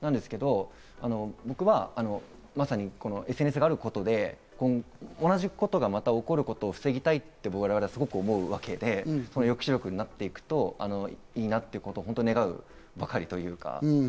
僕はＳＮＳがあることで同じことがまた起こることを防ぎたいって我々はすごく思うわけで、その抑止力になっていくといいなということを願うばかりというか。